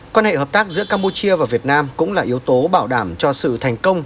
quan hệ hợp tác giữa campuchia và việt nam cũng là yếu tố bảo đảm cho sự thành công